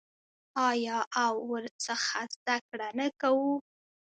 آیا او ورڅخه زده کړه نه کوو؟